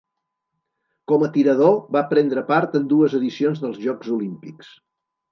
Com a tirador, va prendre part en dues edicions dels Jocs Olímpics.